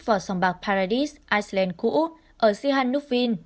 vào sòng bạc paradis iceland cũ ở sihanouk vinh